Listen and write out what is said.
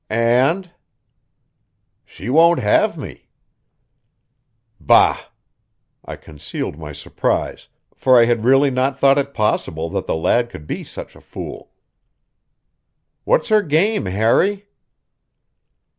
"And " "She won't have me." "Bah!" I concealed my surprise, for I had really not thought it possible that the lad could be such a fool. "What's her game, Harry?"